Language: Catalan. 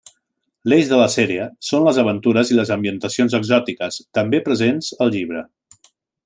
L'eix de la sèrie són les aventures i les ambientacions exòtiques, també presents al llibre.